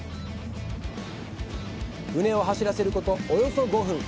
船を走らせることおよそ５分。